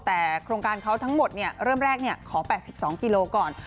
แต่โครงการเขาทั้งหมดเริ่มแรกขอ๘๒กิโลก่อน